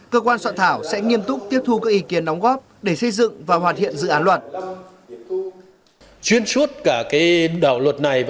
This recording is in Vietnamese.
cơ quan soạn thảo sẽ nghiêm túc tiếp thu các ý kiến đóng góp để xây dựng và hoàn thiện dự án luật